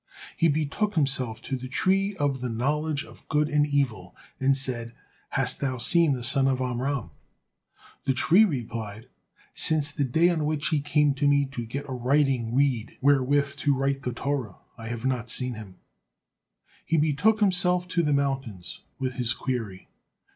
He betook himself to the tree of the knowledge of good and evil, and said, "Hast thou seen the son of Amram?" The tree replied, "Since the day on which he came to me to get a writing reed, wherewith to write the Torah, I have not seen him." He betook himself to the mountains with his query.